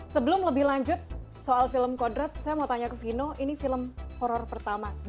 sebelum lebih lanjut soal film kodrat saya mau tanya ke vino ini film horror pertama